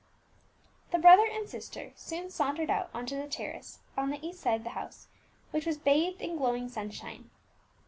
The brother and sister soon sauntered out on the terrace on the east side of the house, which was bathed in glowing sunshine.